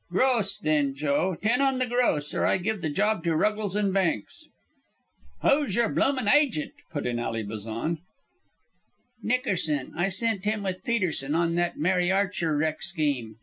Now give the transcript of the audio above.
"Gross, then, Joe. Ten on the gross or I give the job to the Ruggles and Banks." "Who's your bloomin' agent?" put in Ally Bazan. "Nickerson. I sent him with Peterson on that Mary Archer wreck scheme.